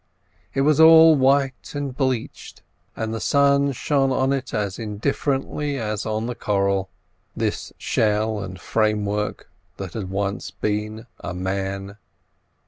It was all white and bleached, and the sun shone on it as indifferently as on the coral, this shell and framework that had once been a man.